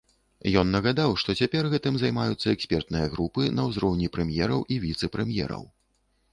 Ён нагадаў, што цяпер гэтым займаюцца экспертныя групы на ўзроўні прэм'ераў і віцэ-прэм'ераў.